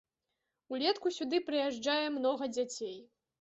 Улетку сюды прыязджае многа дзяцей.